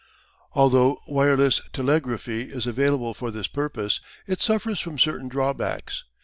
Although wireless telegraphy is available for this purpose, it suffers from certain drawbacks.